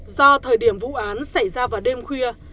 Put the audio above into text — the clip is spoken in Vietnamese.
do thời điểm vụ án xảy ra vào đêm khuya